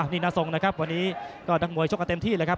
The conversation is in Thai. นี่น่าทรงนะครับวันนี้ก็นักมวยชกกันเต็มที่เลยครับ